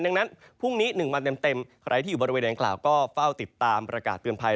ดังนั้นพรุ่งนี้๑วันเต็มใครที่อยู่บริเวณดังกล่าวก็เฝ้าติดตามประกาศเตือนภัย